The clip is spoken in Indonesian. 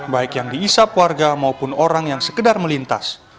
baik yang diisap warga maupun orang yang sekedar melintas